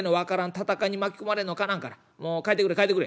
戦いに巻き込まれるのかなわんからもう帰ってくれ帰ってくれ」。